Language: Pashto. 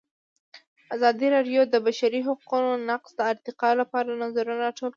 ازادي راډیو د د بشري حقونو نقض د ارتقا لپاره نظرونه راټول کړي.